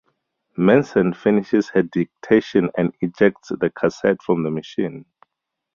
Manson finishes her dictation and ejects the cassette from the machine.